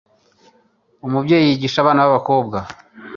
umubyeyi yigisha abana b'abakobwa